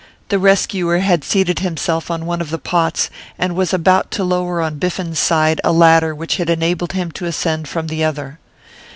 The rescuer had seated himself on one of the pots, and was about to lower on Biffen's side a ladder which had enabled him to ascend from the other.